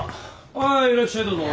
ああいらっしゃいどうぞ。